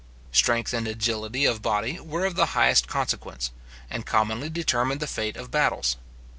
Strength and agility of body were of the highest consequence, and commonly determined the fate of battles.